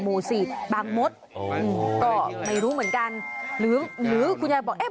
สี่บางมดอ๋อก็ไม่รู้เหมือนกันหรือหรือคุณยายบอกเอ๊ะ